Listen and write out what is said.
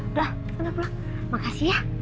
udah udah pulang makasih ya